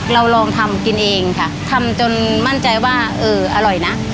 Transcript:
เราลองทำกินเองค่ะทำจนมั่นใจว่าเอออร่อยนะ